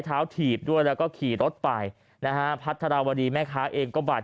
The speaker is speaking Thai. ถีบด้วยแล้วก็ขี่รถไปนะฮะพัฒนาวดีแม่ค้าเองก็บาด